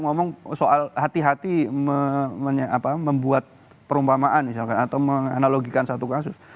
ngomong soal hati hati membuat perumpamaan misalkan atau menganalogikan satu kasus